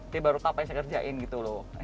dia baru tau apa yang saya kerjain gitu loh